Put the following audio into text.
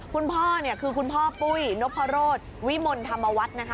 คุณพ่อเนี่ยคือคุณพ่อปุ้ยนพรสวิมลธรรมวัฒน์นะคะ